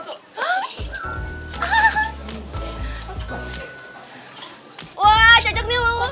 itu bajunya bagus